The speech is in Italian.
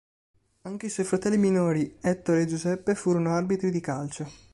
Anche i suoi fratelli minori Ettore e Giuseppe furono arbitri di calcio.